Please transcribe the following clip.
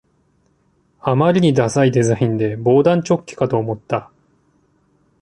あまりにダサいデザインで防弾チョッキかと思った